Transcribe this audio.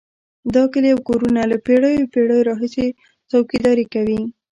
دا کلي او کورونه له پېړیو پېړیو راهیسې څوکیداري کوي.